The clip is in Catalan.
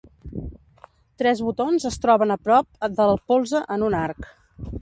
Tres botons es troben a prop de el polze en un arc.